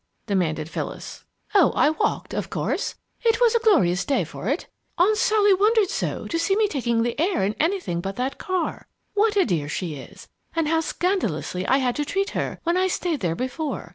demanded Phyllis. "Oh, I walked, of course! It was a glorious day for it. Aunt Sally wondered so, to see me taking the air in anything but that car! What a dear she is! And how scandalously I had to treat her when I stayed there before.